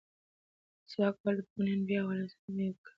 مسواک وهل د پخوانیو انبیاوو علیهم السلام یو ګډ سنت دی.